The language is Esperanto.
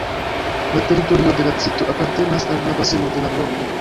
La teritorio de la distrikto apartenas al la baseno de la Volgo.